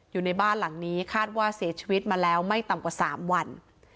อยู่ในบ้านหลังนี้คาดว่าเสียชีวิตมาแล้วไม่ต่ำกว่า๓วัน